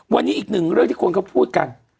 วันนี้อีกหนึ่งเรื่องที่คนเขาพูดกัน